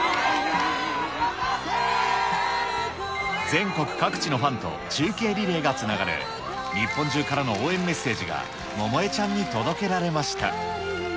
全国各地のファンと中継リレーがつながれ、日本中からの応援メッセージが百恵ちゃんに届けられました。